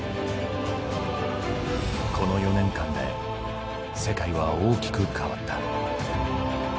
この４年間で世界は大きく変わった。